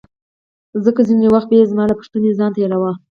ځکه ځیني وختونه به یې زما له پوښتنې ځان تیراوه.